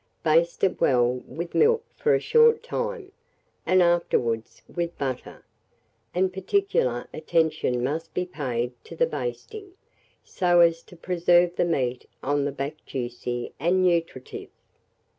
Baste it well with milk for a short time, and afterwards with butter; and particular attention must be paid to the basting, so as to preserve the meat on the back juicy and nutritive.